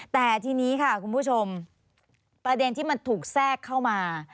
แต่ทีนี้ค่ะคุณผู้ชมประเด็นที่มันถูกแทรกเข้ามา